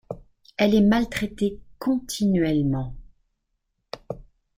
Elle est maltraitée continuellement.